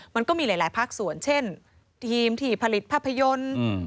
มันก็มีหลายภาคส่วนเช่นทีมที่ผลิตภาพยนตร์